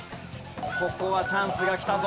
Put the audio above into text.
ここはチャンスがきたぞ。